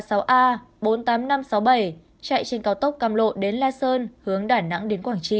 tám nghìn năm trăm sáu mươi bảy chạy trên cao tốc cam lộ đến la sơn hướng đà nẵng đến quảng trị